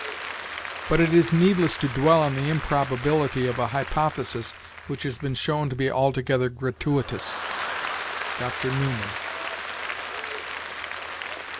"But it is needless to dwell on the improbability of a hypothesis which has been shown to be altogether gratuitous." Dr. Newman.